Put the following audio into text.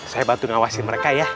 saya bantu ngawasin mereka ya